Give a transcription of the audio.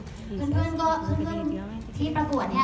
เพื่อนก็เพื่อนที่ประกวดเนี่ย